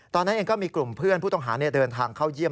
ตอนนั้นเองก็มีกลุ่มเพื่อนผู้ต้องหาเดินทางเข้าเยี่ยม